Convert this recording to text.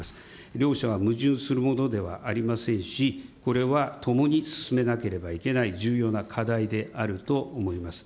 両者は矛盾するものではありませんし、これは、ともに進めなければいけない重要な課題であると思います。